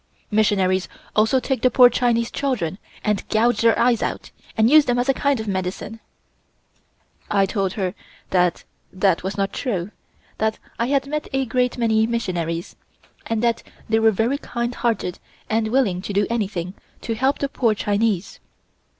Missionaries also take the poor Chinese children and gouge their eyes out, and use them as a kind of medicine." I told her that that was not true; that I had met a great many missionaries, and that they were very kind hearted and willing to do anything to help the poor Chinese.